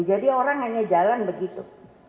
jadi orang hanya jalan begitu